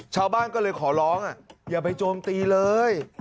ชาวบ้านก็เลยขอร้องอย่าไปโจมตีเลย